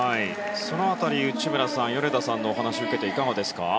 その辺り、内村さん米田さんのお話を受けていかがですか？